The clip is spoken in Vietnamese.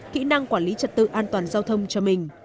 kỹ năng quản lý trật tự an toàn giao thông cho mình